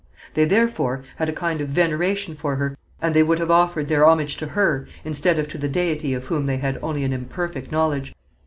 They, therefore, had a kind of veneration for her, and they would have offered their homage to her instead of to the Deity of whom they had only an imperfect knowledge.